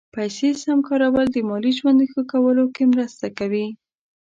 پیسې سم کارول د مالي ژوند ښه کولو کې مرسته کوي.